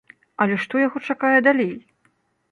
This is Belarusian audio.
Але што яго чакае далей?